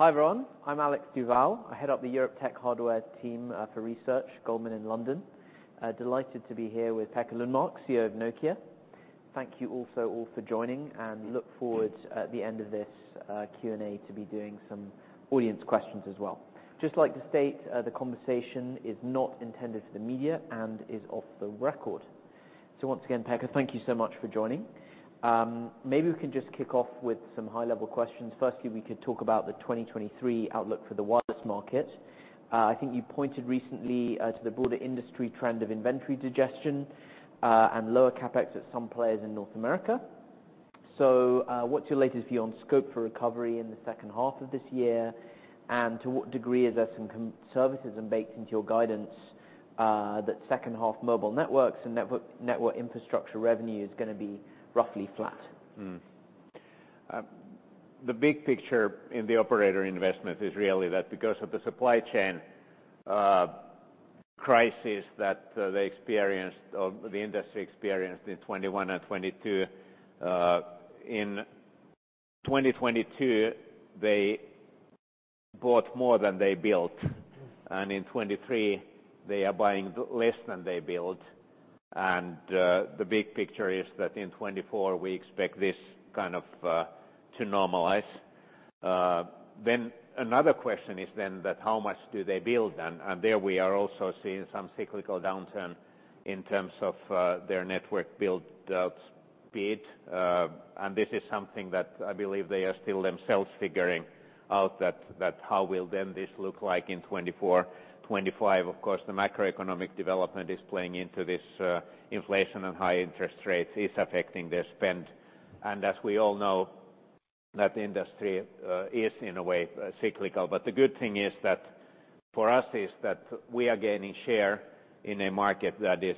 Hi, everyone. I'm Alex Duval. I head up the Europe Tech Hardware team for research, Goldman in London. Delighted to be here with Pekka Lundmark, CEO of Nokia. Thank you also all for joining, and look forward at the end of this Q&A to be doing some audience questions as well. Just like to state the conversation is not intended for the media and is off the record. So once again, Pekka, thank you so much for joining. Maybe we can just kick off with some high-level questions. Firstly, we could talk about the 2023 outlook for the wireless market. I think you pointed recently to the broader industry trend of inventory digestion and lower CapEx at some players in North America. So, what's your latest view on scope for recovery in the second half of this year? To what degree is there some conservatism baked into your guidance, that second-half mobile networks and network infrastructure revenue is gonna be roughly flat? The big picture in the operator investment is really that because of the supply chain crisis that they experienced or the industry experienced in 2021 and 2022. In 2022, they bought more than they built, and in 2023, they are buying less than they built. The big picture is that in 2024, we expect this kind of to normalize. Then another question is then that how much do they build? And there we are also seeing some cyclical downturn in terms of their network build speed. And this is something that I believe they are still themselves figuring out, that how will then this look like in 2024, 2025. Of course, the macroeconomic development is playing into this, inflation, and high interest rates is affecting their spend. As we all know that the industry is in a way cyclical. The good thing is that for us is that we are gaining share in a market that is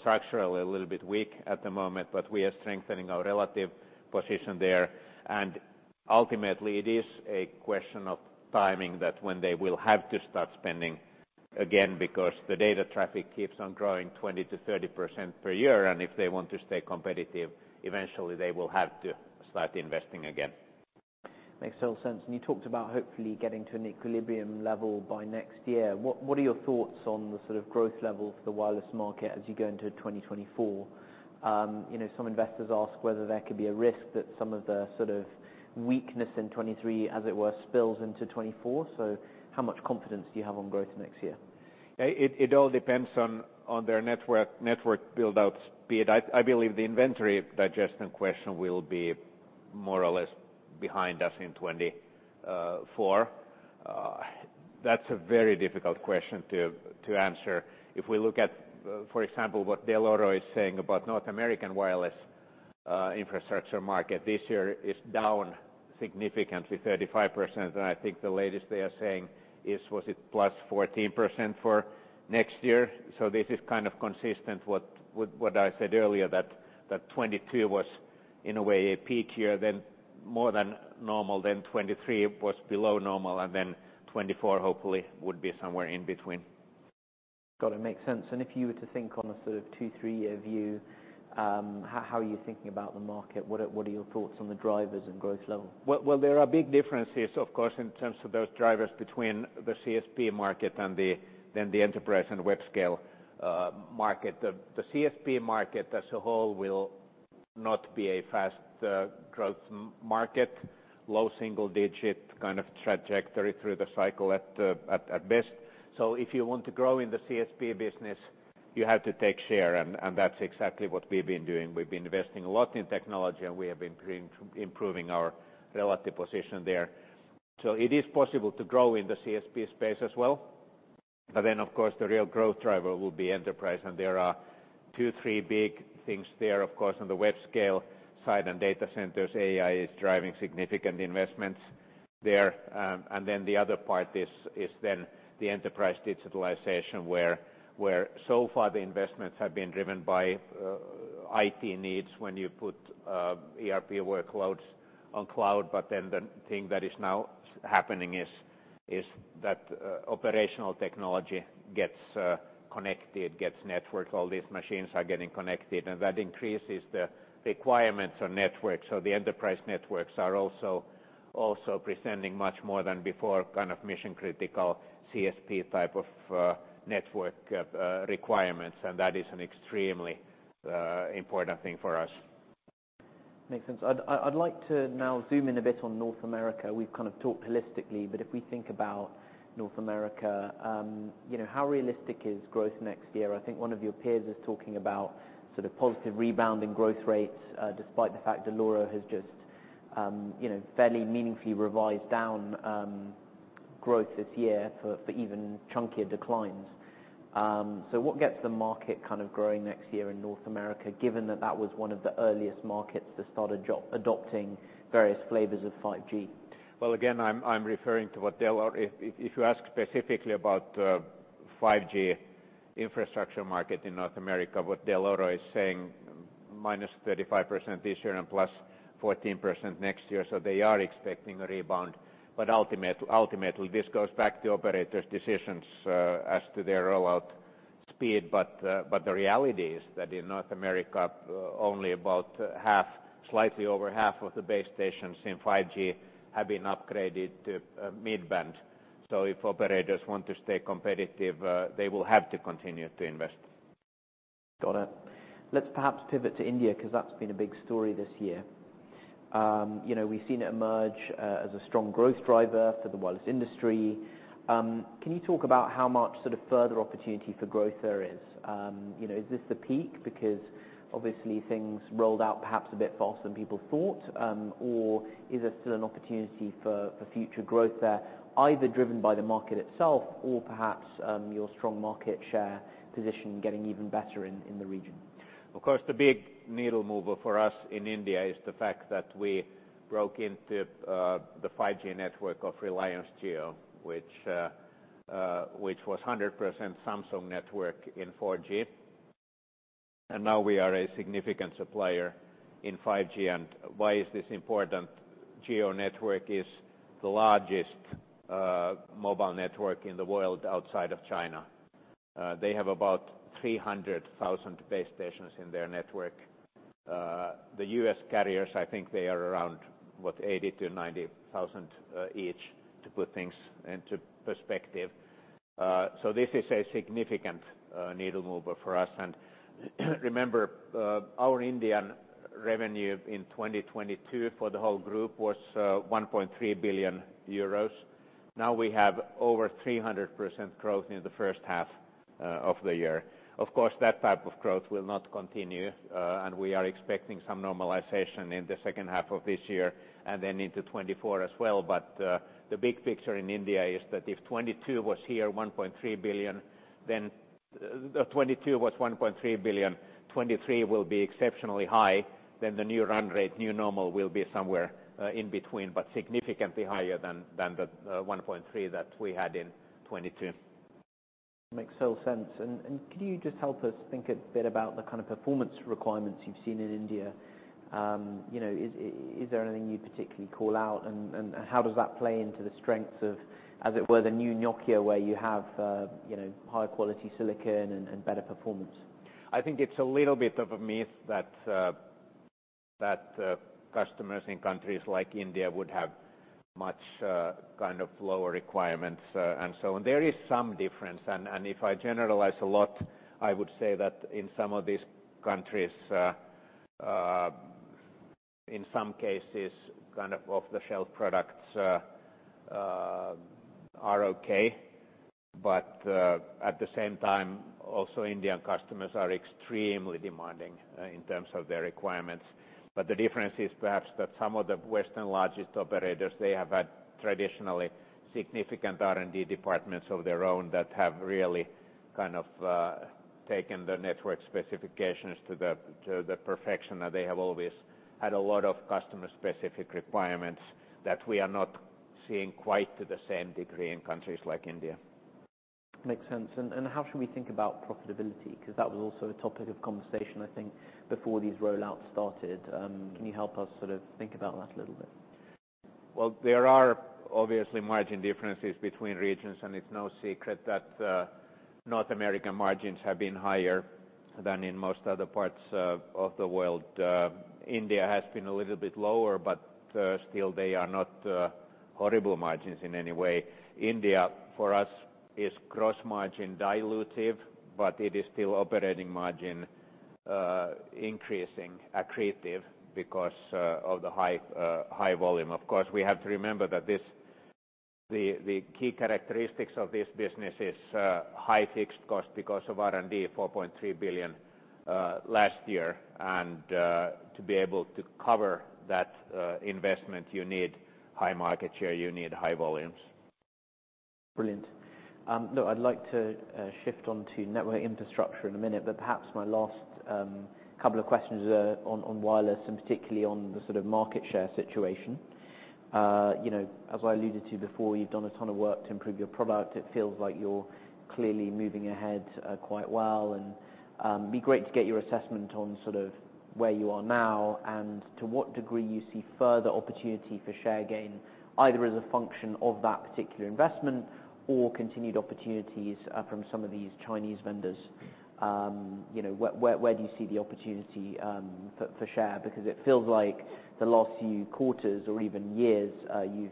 structurally a little bit weak at the moment, but we are strengthening our relative position there. Ultimately, it is a question of timing that when they will have to start spending again, because the data traffic keeps on growing 20%-30% per year, and if they want to stay competitive, eventually they will have to start investing again. Makes total sense. And you talked about hopefully getting to an equilibrium level by next year. What are your thoughts on the sort of growth level for the wireless market as you go into 2024? You know, some investors ask whether there could be a risk that some of the sort of weakness in 2023, as it were, spills into 2024. So how much confidence do you have on growth next year? It all depends on their network build-out speed. I believe the inventory digestion question will be more or less behind us in 2024. That's a very difficult question to answer. If we look at, for example, what Dell'Oro is saying about North American wireless infrastructure market, this year is down significantly, 35%. And I think the latest they are saying is, was it +14% for next year? So this is kind of consistent with what I said earlier, that 2022 was, in a way, a peak year, then more than normal, then 2023 was below normal, and then 2024, hopefully, would be somewhere in between. Got it. Makes sense. And if you were to think on a sort of 2-3-year view, how are you thinking about the market? What are your thoughts on the drivers and growth level? Well, well, there are big differences, of course, in terms of those drivers between the CSP market and the, then the enterprise and Webscale market. The, the CSP market as a whole will not be a fast growth market. Low single digit kind of trajectory through the cycle at best. So if you want to grow in the CSP business, you have to take share, and that's exactly what we've been doing. We've been investing a lot in technology, and we have been improving our relative position there. So it is possible to grow in the CSP space as well, but then, of course, the real growth driver will be enterprise. And there are two, three big things there. Of course, on the Webscale side and data centers, AI is driving significant investments there. And then the other part is then the enterprise digitalization, where so far the investments have been driven by IT needs when you put ERP workloads on cloud. But then the thing that is now happening is that operational technology gets connected, gets networked, all these machines are getting connected, and that increases the requirements on networks. So the enterprise networks are also presenting much more than before, kind of mission-critical, CSP type of network requirements, and that is an extremely important thing for us. Makes sense. I'd like to now zoom in a bit on North America. We've kind of talked holistically, but if we think about North America, you know, how realistic is growth next year? I think one of your peers is talking about sort of positive rebound in growth rates, despite the fact Dell'Oro has just, you know, fairly meaningfully revised down growth this year for even chunkier declines. So what gets the market kind of growing next year in North America, given that that was one of the earliest markets to start adopting various flavors of 5G? Well, again, I'm referring to what Dell'Oro is saying. If you ask specifically about 5G infrastructure market in North America, what Dell'Oro is saying, -35% this year and +14% next year, so they are expecting a rebound. But ultimately, this goes back to operators' decisions as to their rollout speed, but the reality is that in North America, only about half, slightly over half of the base stations in 5G have been upgraded to mid-band. So if operators want to stay competitive, they will have to continue to invest. Got it. Let's perhaps pivot to India, 'cause that's been a big story this year. You know, we've seen it emerge as a strong growth driver for the wireless industry. Can you talk about how much sort of further opportunity for growth there is? You know, is this the peak? Because obviously, things rolled out perhaps a bit faster than people thought. Or is this still an opportunity for, for future growth there, either driven by the market itself, or perhaps your strong market share position getting even better in, in the region? Of course, the big needle mover for us in India is the fact that we broke into the 5G network of Reliance Jio, which was 100% Samsung network in 4G, and now we are a significant supplier in 5G. And why is this important? Jio network is the largest mobile network in the world outside of China. They have about 300,000 base stations in their network. The US carriers, I think they are around, what? 80,000-90,000 each, to put things into perspective. So this is a significant needle mover for us. And remember, our Indian revenue in 2022 for the whole group was 1.3 billion euros. Now, we have over 300% growth in the first half of the year. Of course, that type of growth will not continue, and we are expecting some normalization in the second half of this year, and then into 2024 as well. But, the big picture in India is that if 2022 was here, 1.3 billion, then... 2022 was 1.3 billion, 2023 will be exceptionally high, then the new run rate, new normal, will be somewhere in between, but significantly higher than the 1.3 billion that we had in 2022. Makes total sense. Could you just help us think a bit about the kind of performance requirements you've seen in India? You know, is there anything you'd particularly call out, and how does that play into the strengths of, as it were, the new Nokia, where you have, you know, higher quality silicon and better performance? I think it's a little bit of a myth that customers in countries like India would have much kind of lower requirements and so on. There is some difference, and if I generalize a lot, I would say that in some of these countries, in some cases, kind of off-the-shelf products are okay. But at the same time, also, Indian customers are extremely demanding in terms of their requirements. But the difference is perhaps that some of the Western largest operators, they have had traditionally significant R&D departments of their own that have really kind of taken the network specifications to the perfection, and they have always had a lot of customer-specific requirements that we are not seeing quite to the same degree in countries like India. Makes sense. And how should we think about profitability? 'Cause that was also a topic of conversation, I think, before these rollouts started. Can you help us sort of think about that a little bit? Well, there are obviously margin differences between regions, and it's no secret that North American margins have been higher than in most other parts of the world. India has been a little bit lower, but still they are not horrible margins in any way. India, for us, is gross margin dilutive, but it is still operating margin increasing accretive because of the high high volume. Of course, we have to remember that this, the key characteristics of this business is high fixed cost because of R&D, 4.3 billion last year. And to be able to cover that investment, you need high market share, you need high volumes. Brilliant. Look, I'd like to shift on to network infrastructure in a minute, but perhaps my last couple of questions are on wireless, and particularly on the sort of market share situation. You know, as I alluded to before, you've done a ton of work to improve your product. It feels like you're clearly moving ahead quite well. And it'd be great to get your assessment on sort of where you are now, and to what degree you see further opportunity for share gain, either as a function of that particular investment or continued opportunities from some of these Chinese vendors. You know, where do you see the opportunity for share? Because it feels like the last few quarters or even years,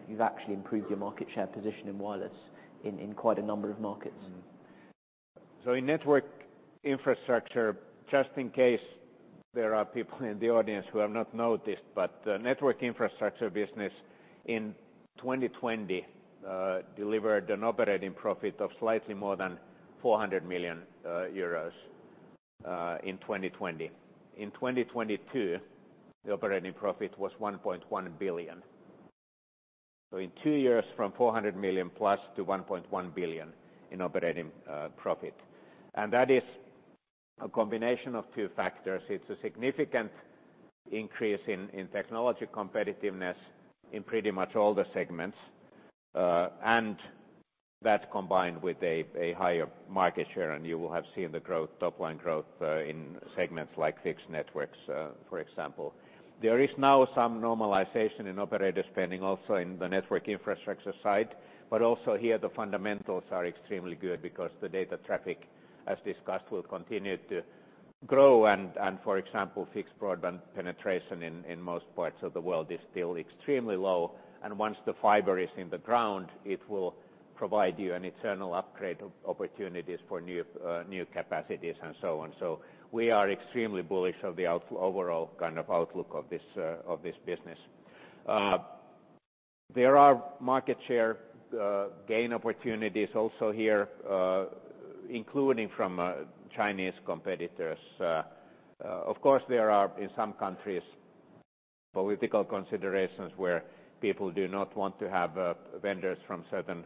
you've actually improved your market share position in wireless in quite a number of markets. Mm-hmm. So in Network Infrastructure, just in case there are people in the audience who have not noticed, but, Network Infrastructure business in 2020 delivered an operating profit of slightly more than 400 million euros in 2020. In 2022, the operating profit was 1.1 billion. So in two years, from 400 million-plus to 1.1 billion in operating profit, and that is a combination of two factors. It's a significant increase in technology competitiveness in pretty much all the segments, and that combined with a higher market share, and you will have seen the growth, top-line growth, in segments like Fixed Networks, for example. There is now some normalization in operator spending, also in the Network Infrastructure side. But also here, the fundamentals are extremely good because the data traffic, as discussed, will continue to-... grow and, for example, fixed broadband penetration in most parts of the world is still extremely low. Once the fiber is in the ground, it will provide you an internal upgrade of opportunities for new capacities, and so on. So we are extremely bullish of the overall kind of outlook of this business. There are market share gain opportunities also here, including from Chinese competitors. Of course, there are in some countries political considerations where people do not want to have vendors from certain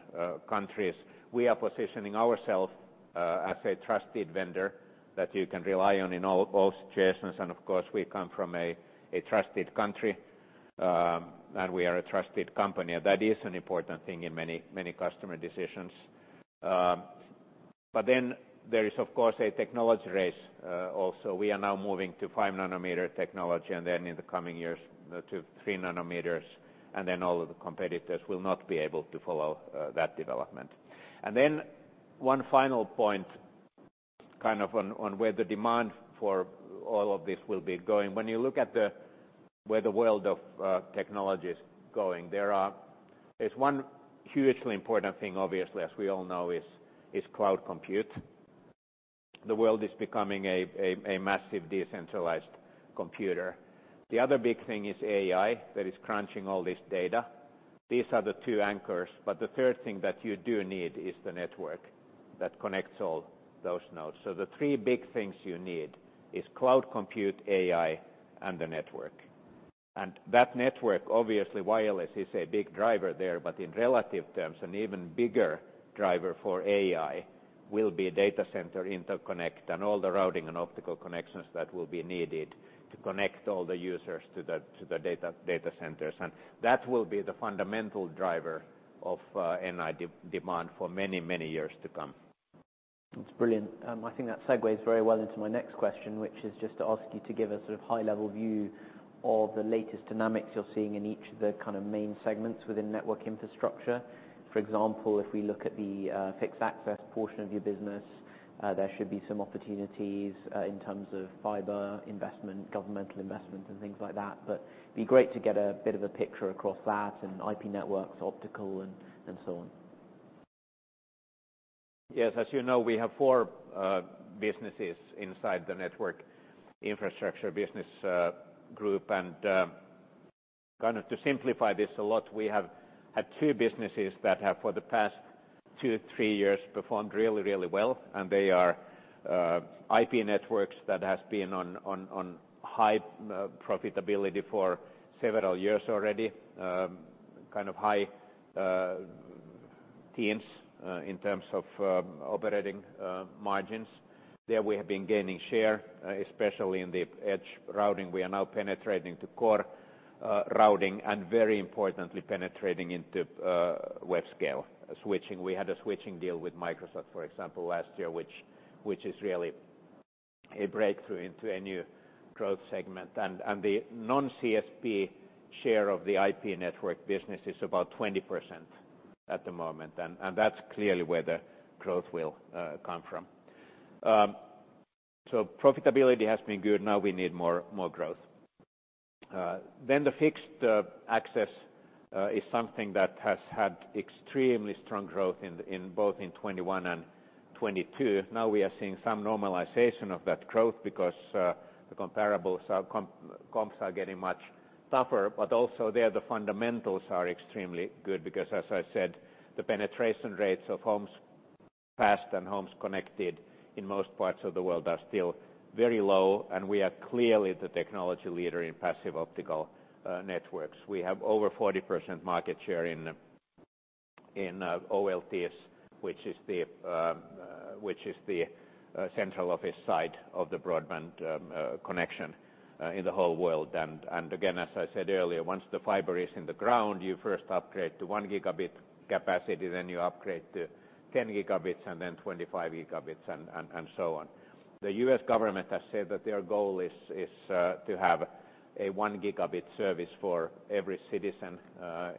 countries. We are positioning ourselves as a trusted vendor that you can rely on in all situations. Of course, we come from a trusted country, and we are a trusted company. That is an important thing in many customer decisions. But then there is, of course, a technology race, also. We are now moving to 5 nanometer technology, and then in the coming years, to 3 nanometers, and then all of the competitors will not be able to follow, that development. And then one final point, kind of on, on where the demand for all of this will be going. When you look at the, where the world of, technology is going, there's one hugely important thing, obviously, as we all know, is, is cloud compute. The world is becoming a, a, a massive decentralized computer. The other big thing is AI, that is crunching all this data. These are the two anchors, but the third thing that you do need is the network that connects all those nodes. So the three big things you need is cloud compute, AI, and the network. That network, obviously, wireless is a big driver there, but in relative terms, an even bigger driver for AI will be data center interconnect and all the routing and optical connections that will be needed to connect all the users to the, to the data, data centers. That will be the fundamental driver of NI demand for many, many years to come. That's brilliant. I think that segues very well into my next question, which is just to ask you to give us a high-level view of the latest dynamics you're seeing in each of the kind of main segments within network infrastructure. For example, if we look at the fixed access portion of your business, there should be some opportunities in terms of fiber investment, governmental investment, and things like that. But it'd be great to get a bit of a picture across that, and IP networks, optical, and so on. Yes, as you know, we have four businesses inside the Network Infrastructure business group. And, kind of to simplify this a lot, we have had two businesses that have, for the past two, three years, performed really, really well, and they are IP Networks that has been on high profitability for several years already. Kind of high teens in terms of operating margins. There, we have been gaining share, especially in the edge routing. We are now penetrating to core routing and very importantly, penetrating into Webscale switching. We had a switching deal with Microsoft, for example, last year, which is really a breakthrough into a new growth segment. The non-CSP share of the IP network business is about 20% at the moment, and that's clearly where the growth will come from. So profitability has been good. Now we need more growth. Then the fixed access is something that has had extremely strong growth in both 2021 and 2022. Now we are seeing some normalization of that growth because the comparables are getting much tougher. But also, the fundamentals are extremely good because, as I said, the penetration rates of homes passed and homes connected in most parts of the world are still very low, and we are clearly the technology leader in passive optical networks. We have over 40% market share in OLTs, which is the central office side of the broadband connection in the whole world. And again, as I said earlier, once the fiber is in the ground, you first upgrade to one gigabit capacity, then you upgrade to 10 gigabits, and then 25 gigabits, and so on. The U.S. government has said that their goal is to have a one gigabit service for every citizen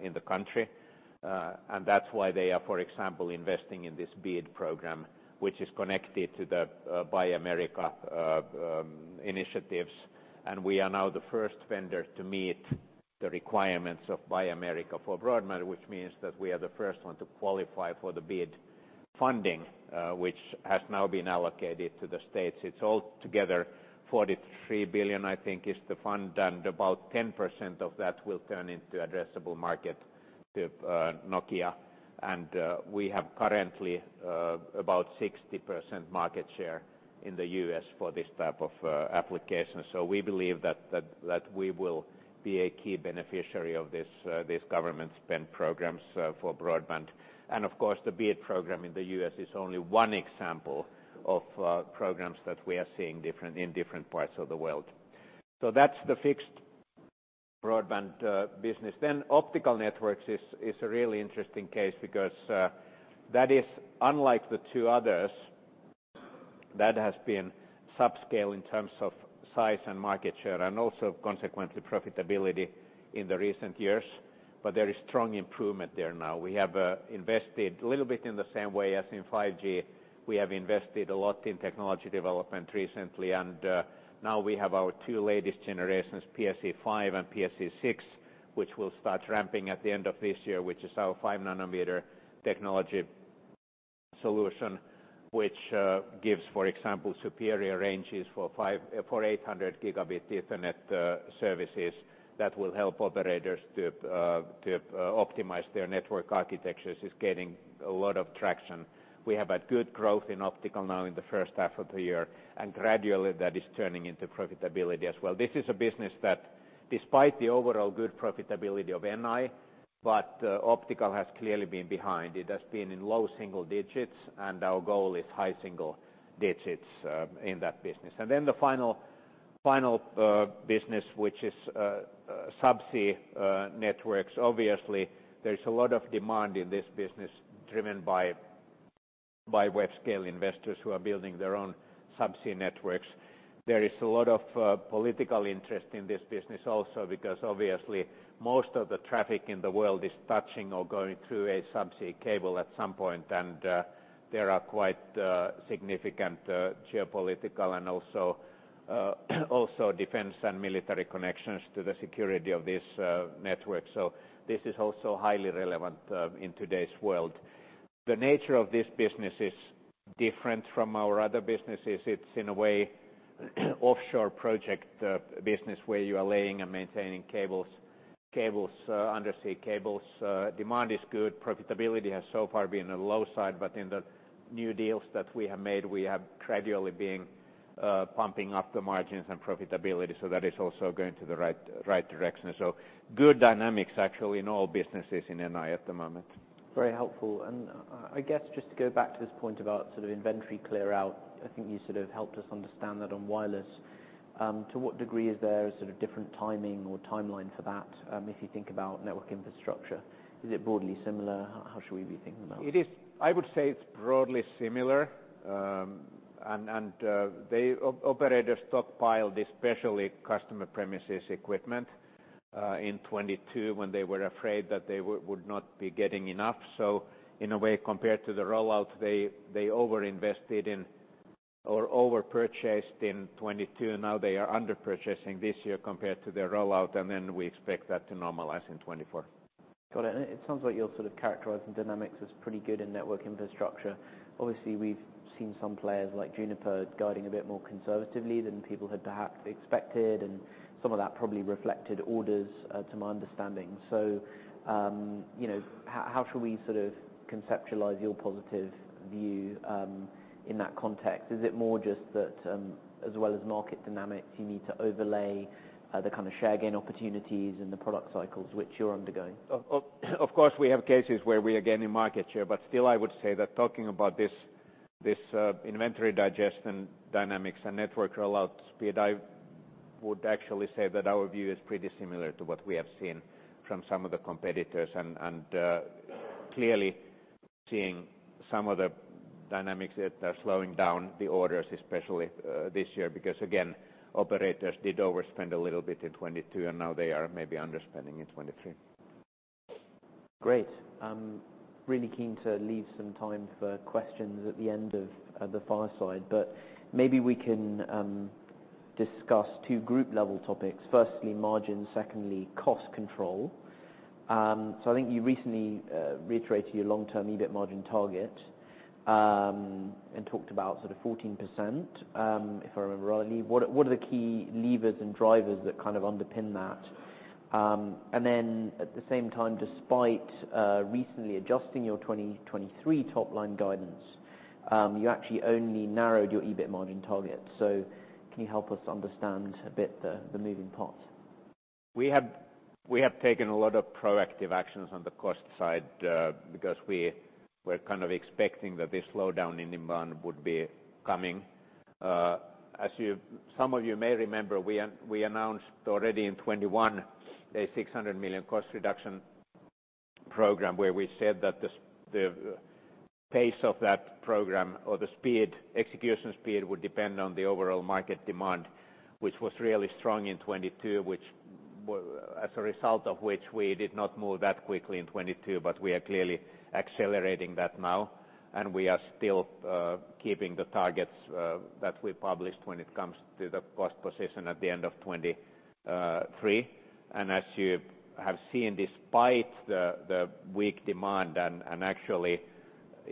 in the country. And that's why they are, for example, investing in this BEAD program, which is connected to the Buy America initiatives. And we are now the first vendor to meet the requirements of Buy America for broadband, which means that we are the first one to qualify for the BEAD funding, which has now been allocated to the States. It's all together $43 billion, I think, is the fund, and about 10% of that will turn into addressable market to Nokia. And we have currently about 60% market share in the U.S. for this type of application. So we believe that, that, that we will be a key beneficiary of this this government spend programs for broadband. And of course, the BEAD program in the U.S. is only one example of programs that we are seeing in different parts of the world. So that's the fixed broadband business. Then Optical Networks is a really interesting case because that is unlike the two others, that has been subscale in terms of size and market share, and also consequently, profitability in the recent years. But there is strong improvement there now. We have invested a little bit in the same way as in 5G. We have invested a lot in technology development recently, and now we have our two latest generations, PSE-5 and PSE-6, which will start ramping at the end of this year, which is our 5 nanometer technology solution, which gives, for example, superior ranges for 500 gigabit Ethernet services. That will help operators to optimize their network architectures, is getting a lot of traction. We have a good growth in Optical now in the first half of the year, and gradually that is turning into profitability as well. This is a business that, despite the overall good profitability of NI, but, Optical has clearly been behind. It has been in low single digits, and our goal is high single digits, in that business. And then the final, final, business, which is, subsea, networks. Obviously, there is a lot of demand in this business, driven by, web-scale investors who are building their own subsea networks. There is a lot of political interest in this business also, because obviously, most of the traffic in the world is touching or going through a subsea cable at some point, and there are quite significant geopolitical and also also defense and military connections to the security of this network. So this is also highly relevant in today's world. The nature of this business is different from our other businesses. It's in a way, offshore project business, where you are laying and maintaining cables, cables undersea cables. Demand is good. Profitability has so far been on the low side, but in the new deals that we have made, we have gradually been pumping up the margins and profitability, so that is also going to the right, right direction. Good dynamics, actually, in all businesses in NI at the moment. Very helpful. I guess just to go back to this point about sort of inventory clear-out, I think you sort of helped us understand that on wireless. To what degree is there sort of different timing or timeline for that? If you think about network infrastructure, is it broadly similar? How should we be thinking about? It is. I would say it's broadly similar. Operators stockpiled, especially customer premises equipment, in 2022, when they were afraid that they would not be getting enough. So in a way, compared to the rollout, they over-invested in or over-purchased in 2022, and now they are under-purchasing this year compared to their rollout, and then we expect that to normalize in 2024. Got it. And it sounds like you're sort of characterizing dynamics as pretty good in network infrastructure. Obviously, we've seen some players, like Juniper, guiding a bit more conservatively than people had perhaps expected, and some of that probably reflected orders, to my understanding. So, you know, how should we sort of conceptualize your positive view, in that context? Is it more just that, as well as market dynamics, you need to overlay, the kind of share gain opportunities and the product cycles which you're undergoing? Of course, we have cases where we are gaining market share, but still, I would say that talking about this inventory digestion dynamics and network rollout speed, I would actually say that our view is pretty similar to what we have seen from some of the competitors. And clearly seeing some of the dynamics that are slowing down the orders, especially this year. Because, again, operators did overspend a little bit in 2022, and now they are maybe underspending in 2023. Great. I'm really keen to leave some time for questions at the end of the fireside, but maybe we can discuss two group-level topics. Firstly, margin, secondly, cost control. So I think you recently reiterated your long-term EBIT margin target, and talked about sort of 14%, if I remember rightly. What are, what are the key levers and drivers that kind of underpin that? And then at the same time, despite recently adjusting your 2023 top-line guidance, you actually only narrowed your EBIT margin target. So can you help us understand a bit the, the moving parts? We have, we have taken a lot of proactive actions on the cost side, because we were kind of expecting that this slowdown in demand would be coming. As some of you may remember, we announced already in 2021, a 600 million cost reduction program, where we said that the pace of that program, or the speed, execution speed, would depend on the overall market demand, which was really strong in 2022, which, as a result of which, we did not move that quickly in 2022. But we are clearly accelerating that now, and we are still keeping the targets that we published when it comes to the cost position at the end of 2023. And as you have seen, despite the weak demand and actually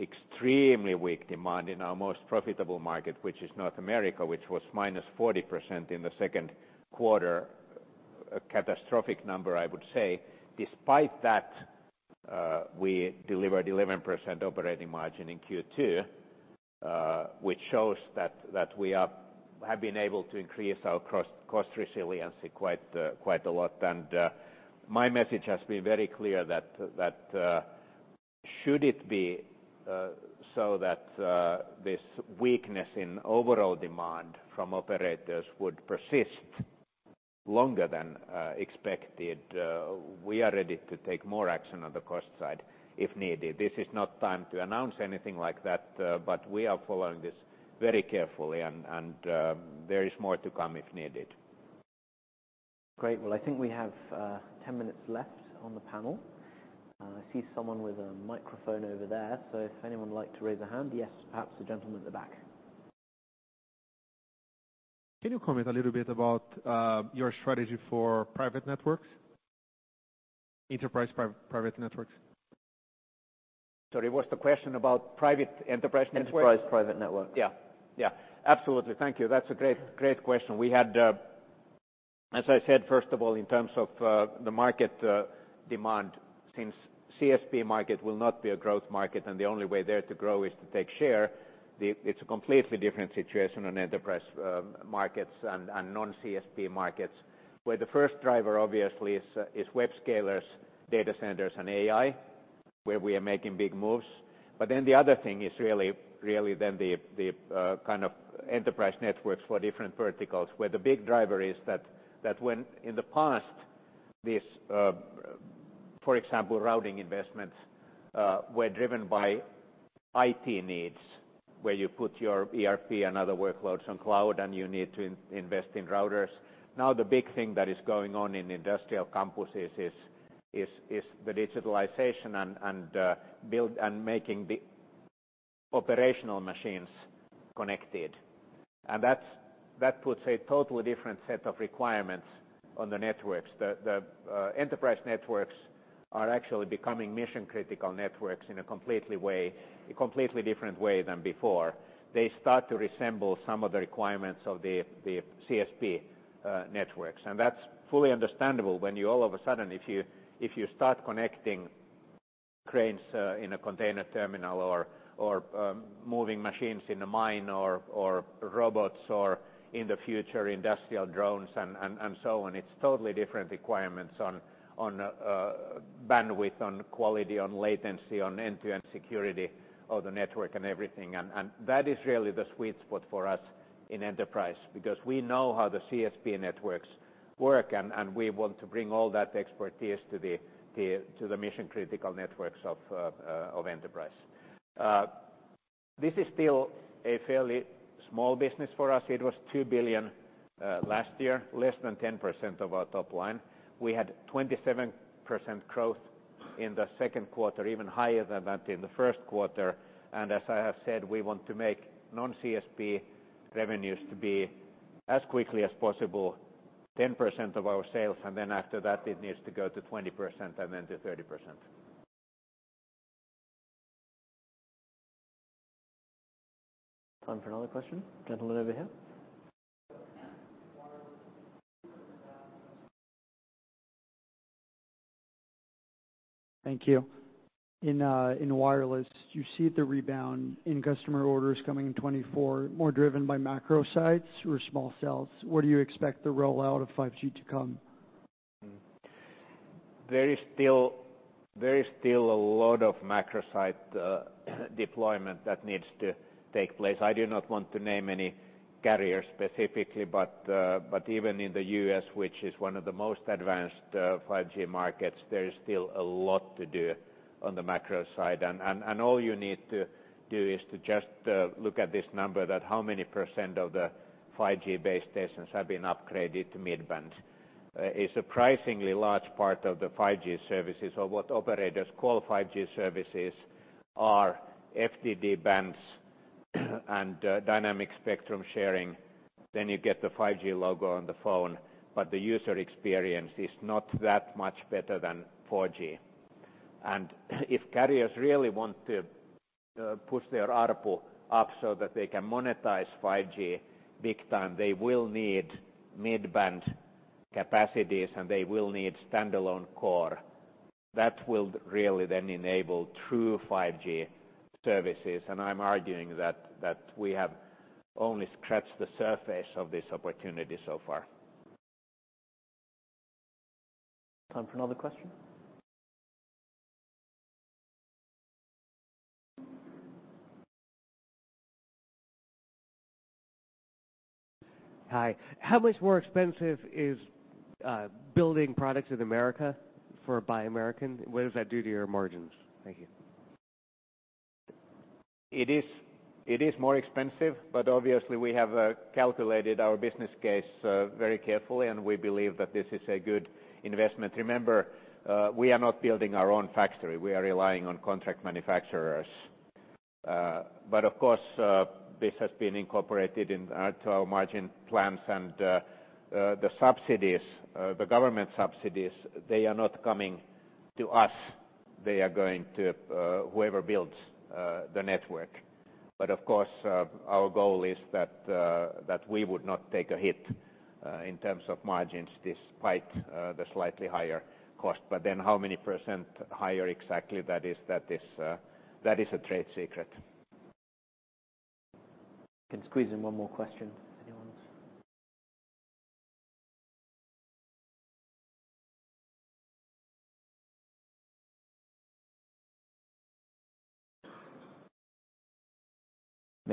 extremely weak demand in our most profitable market, which is North America, which was -40% in the second quarter, a catastrophic number, I would say. Despite that, we delivered 11% operating margin in Q2, which shows that we have been able to increase our cost resiliency quite a lot. My message has been very clear that should it be so that this weakness in overall demand from operators would persist longer than expected, we are ready to take more action on the cost side, if needed. This is not time to announce anything like that, but we are following this very carefully, and there is more to come if needed.... Great. Well, I think we have 10 minutes left on the panel. I see someone with a microphone over there, so if anyone would like to raise their hand. Yes, perhaps the gentleman at the back. Can you comment a little bit about, your strategy for private networks? Enterprise private networks. Sorry, what's the question about private enterprise networks? Enterprise private networks. Yeah, yeah, absolutely. Thank you. That's a great, great question. We had, as I said, first of all, in terms of, the market, demand, since CSP market will not be a growth market and the only way there to grow is to take share. It's a completely different situation on enterprise, markets and, and non-CSP markets, where the first driver, obviously, is web scalers, data centers, and AI, where we are making big moves. But then the other thing is really, really then the kind of enterprise networks for different verticals, where the big driver is that, that when in the past, this, for example, routing investments, were driven by IT needs, where you put your ERP and other workloads on cloud, and you need to invest in routers. Now, the big thing that is going on in industrial campuses is the digitalization and making the operational machines connected. And that puts a totally different set of requirements on the networks. The enterprise networks are actually becoming mission-critical networks in a completely way, a completely different way than before. They start to resemble some of the requirements of the CSP networks. And that's fully understandable when you all of a sudden, if you start connecting cranes in a container terminal, or moving machines in a mine, or robots, or in the future, industrial drones, and so on. It's totally different requirements on bandwidth, on quality, on latency, on end-to-end security of the network and everything. And that is really the sweet spot for us in enterprise, because we know how the CSP networks work, and we want to bring all that expertise to the mission-critical networks of enterprise. This is still a fairly small business for us. It was 2 billion last year, less than 10% of our top line. We had 27% growth in the second quarter, even higher than that in the first quarter. As I have said, we want to make non-CSP revenues to be, as quickly as possible, 10% of our sales, and then after that, it needs to go to 20% and then to 30%. Time for another question. Gentleman over here. Thank you. In wireless, do you see the rebound in customer orders coming in 2024, more driven by macro sites or small cells? Where do you expect the rollout of 5G to come? Hmm. There is still, there is still a lot of macro site deployment that needs to take place. I do not want to name any carriers specifically, but even in the U.S., which is one of the most advanced 5G markets, there is still a lot to do on the macro side. And, and, and all you need to do is to just look at this number, that how many% of the 5G base stations have been upgraded to mid-band? A surprisingly large part of the 5G services or what operators call 5G services are FDD bands and dynamic spectrum sharing. Then you get the 5G logo on the phone, but the user experience is not that much better than 4G. If carriers really want to push their ARPU up so that they can monetize 5G big time, they will need mid-band capacities, and they will need Standalone Core. That will really then enable true 5G services, and I'm arguing that we have only scratched the surface of this opportunity so far. Time for another question. Hi. How much more expensive is building products in America for Buy America? What does that do to your margins? Thank you. It is more expensive, but obviously, we have calculated our business case very carefully, and we believe that this is a good investment. Remember, we are not building our own factory. We are relying on contract manufacturers. But of course, this has been incorporated into our margin plans and the subsidies, the government subsidies. They are not coming to us. They are going to whoever builds the network. But of course, our goal is that we would not take a hit in terms of margins, despite the slightly higher cost. But then how many % higher exactly that is, that is a trade secret. We can squeeze in one more question.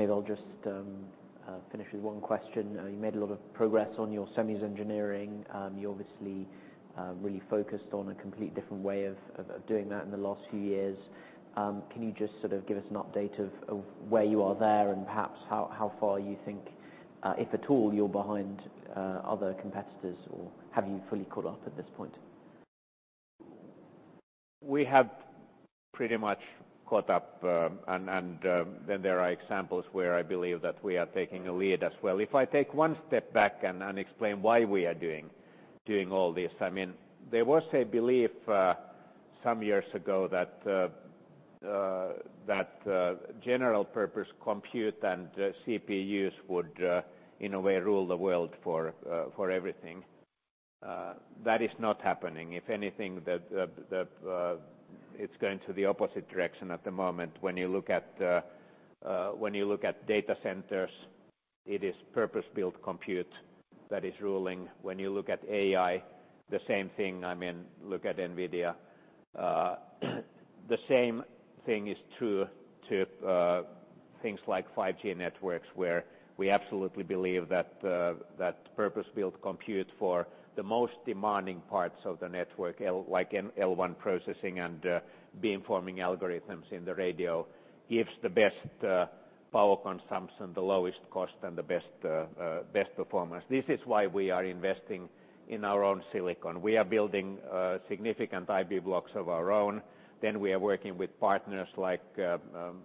Anyone? Maybe I'll just finish with one question. You made a lot of progress on your semis engineering. You obviously-... really focused on a complete different way of doing that in the last few years. Can you just sort of give us an update of where you are there, and perhaps how far you think, if at all, you're behind other competitors, or have you fully caught up at this point? We have pretty much caught up, and then there are examples where I believe that we are taking a lead as well. If I take one step back and explain why we are doing all this, I mean, there was a belief some years ago that general purpose compute and CPUs would in a way rule the world for everything. That is not happening. If anything, it's going to the opposite direction at the moment. When you look at data centers, it is purpose-built compute that is ruling. When you look at AI, the same thing, I mean, look at NVIDIA. The same thing is true to things like 5G networks, where we absolutely believe that purpose-built compute for the most demanding parts of the network, like L1 processing and beamforming algorithms in the radio, gives the best power consumption, the lowest cost, and the best performance. This is why we are investing in our own silicon. We are building significant IP blocks of our own, then we are working with partners like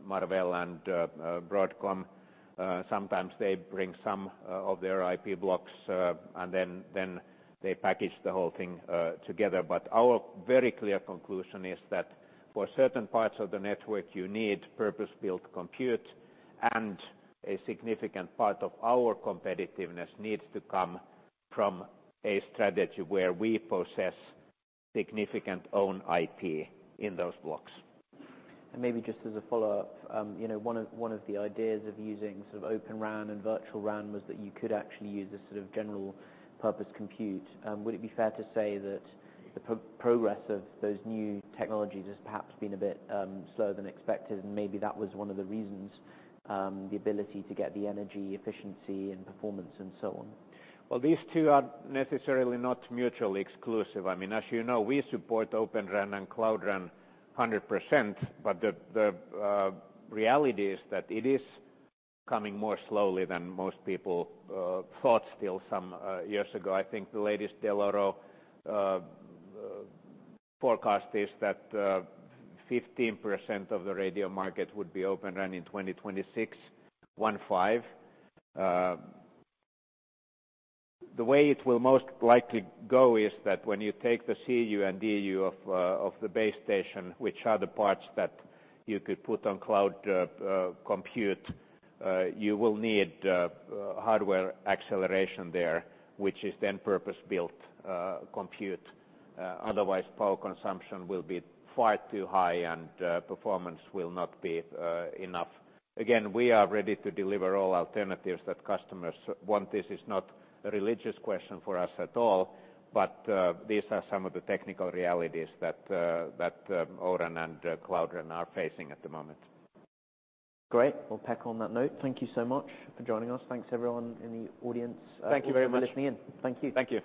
Marvell and Broadcom. Sometimes they bring some of their IP blocks, and then they package the whole thing together. But our very clear conclusion is that for certain parts of the network, you need purpose-built compute, and a significant part of our competitiveness needs to come from a strategy where we possess significant own IP in those blocks. Maybe just as a follow-up, you know, one of, one of the ideas of using sort of Open RAN and Virtual RAN was that you could actually use a sort of general purpose compute. Would it be fair to say that the progress of those new technologies has perhaps been a bit slower than expected, and maybe that was one of the reasons, the ability to get the energy efficiency and performance, and so on? Well, these two are necessarily not mutually exclusive. I mean, as you know, we support Open RAN and Cloud RAN 100%, but the reality is that it is coming more slowly than most people thought still some years ago. I think the latest Dell'Oro forecast is that 15% of the radio market would be Open RAN in 2026, 15. The way it will most likely go is that when you take the CU and DU of the base station, which are the parts that you could put on cloud compute, you will need hardware acceleration there, which is then purpose-built compute. Otherwise, power consumption will be far too high, and performance will not be enough. Again, we are ready to deliver all alternatives that customers want. This is not a religious question for us at all, but these are some of the technical realities that that O-RAN and Cloud RAN are facing at the moment. Great! We'll wrap on that note. Thank you so much for joining us. Thanks everyone in the audience. Thank you very much. For listening in. Thank you. Thank you.